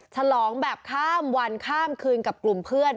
ฉลองแบบข้ามวันข้ามคืนกับกลุ่มเพื่อน